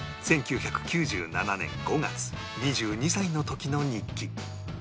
１９９７年５月２２歳の時の日記